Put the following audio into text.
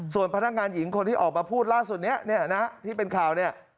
ส่วนพนักงานหญิงคนที่ออกมาพูดล่าสุดเนี่ยนะที่เป็นข่าวเนี่ย